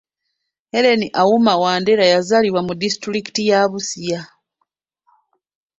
Hellen Auma Wandera yazaalibwa mu disitulikiti ya Busia